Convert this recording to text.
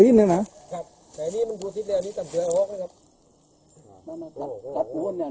เหลืองเท้าอย่างนั้น